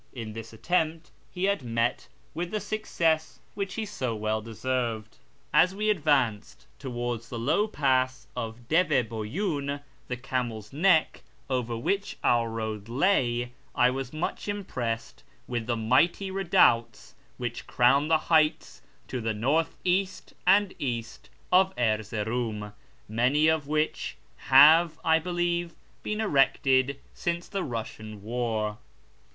In this attempt he had met with the success which he so well deserved. As we advanced towards the low pass of Deve boyiin (the Camel's Neck), over which our road lay, I was much impressed with the mighty redoubts which crown the heights to the north east and east of Erzeroum, many of which have, I believe, been erected since the Eussian war.